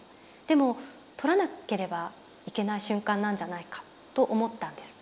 でも撮らなければいけない瞬間なんじゃないかと思ったんです。